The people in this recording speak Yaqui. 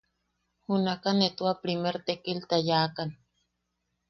Junaka ne tua primer tekilta yaʼakan;.